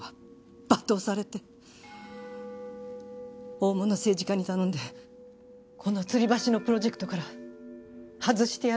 大物政治家に頼んでこのつり橋のプロジェクトから外してやるって脅されて。